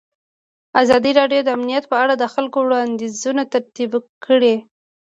ازادي راډیو د امنیت په اړه د خلکو وړاندیزونه ترتیب کړي.